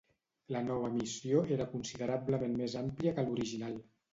La nova missió era considerablement més àmplia que l'original.